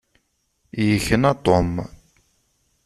Yekna Tom.